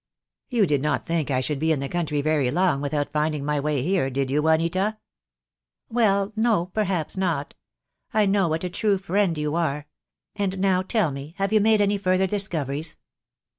"You did not think I should be in the county very long without finding my way here, did you, Juanita?" "Well, no, perhaps not. I know what a true friend you are. And now tell me, have you made any further discoveries?"